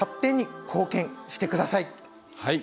はい。